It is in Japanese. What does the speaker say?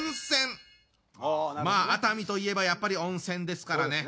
まあ熱海といえばやっぱり温泉ですからね。